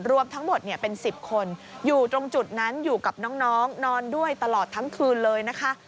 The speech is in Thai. รวมทั้งหมดเป็น๑๐คนอยู่ตรงจุดนั้นอยู่กับน้องนอนด้วยตลอดทั้งคืนเลยนะคะ